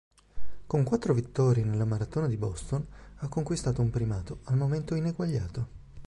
Con quattro vittorie nella maratona di Boston ha conquistato un primato al momento ineguagliato.